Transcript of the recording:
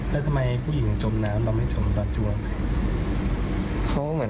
แล้วทำไมผู้หญิงจมน้ำเราไม่จมตอนช่วง